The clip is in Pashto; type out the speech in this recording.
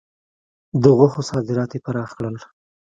د غوښو صادرات یې پراخ کړل.